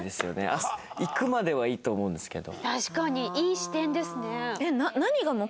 行くまではいいと思うんですけど。